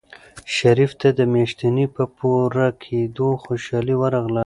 شریف ته د میاشتې په پوره کېدو خوشحالي ورغله.